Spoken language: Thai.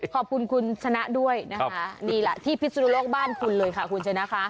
ขอบคุณคุณชนะด้วยนะคะนี่แหละที่พิศนุโลกบ้านคุณเลยค่ะคุณชนะค่ะ